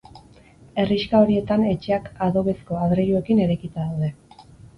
Herrixka horietan etxeak adobezko adreiluekin eraikita daude.